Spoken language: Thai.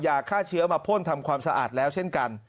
ยาฆ่าเชื้อมาพ่นทำความสะอาดแล้วเช่นกัน